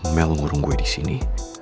mel ngurung gue disini